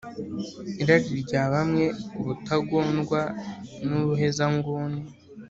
irari rya bamwe, ubutagondwa n'ubuhezanguni